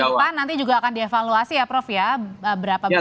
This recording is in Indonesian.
dan hari minggu depan nanti juga akan dievaluasi ya prof ya berapa betapa